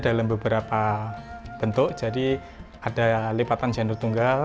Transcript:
dalam beberapa bentuk jadi ada lipatan gender tunggal